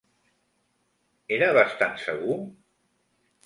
Era bastant segur?